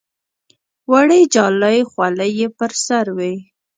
وړې جالۍ خولۍ یې پر سر وې.